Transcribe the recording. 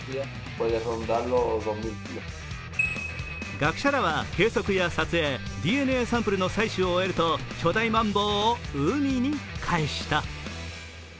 学者らは計測や撮影、ＤＮＡサンプルの採取を終えると巨大マンボウを海に帰した。